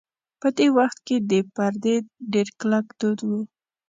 په دې وخت کې د پردې ډېر کلک دود و.